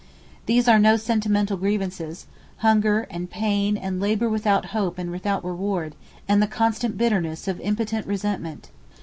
These are no sentimental grievances; hunger, and pain, and labour without hope and without reward, and the constant bitterness of impotent resentment.